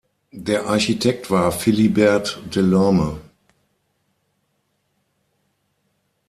Der Architekt war Philibert Delorme.